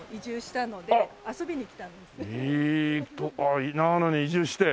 へえ長野に移住して。